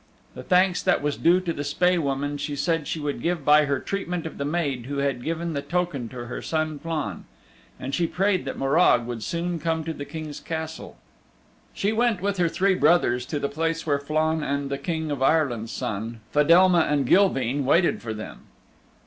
The thanks that was due to the Spae Woman, she said she would give by her treatment of the maid who had given the token to her son Flann. And she prayed that Morag would soon come to the King's Castle. She went with her three brothers to the place where Flann and the King of Ireland's Son, Fedelma and Gilveen waited for them.